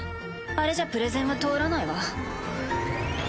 あれじゃプレゼンは通らないわ。